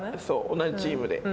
同じチームで。